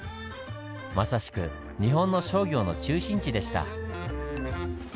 まさしく日本の商業の中心地でした。